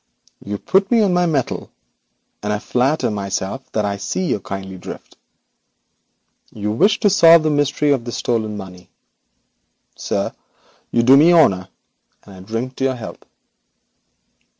You put me on my mettle, and I flatter myself that I see your kindly drift. You wish me to solve the mystery of this stolen money. Sir, you do me honour, and I drink to your health.'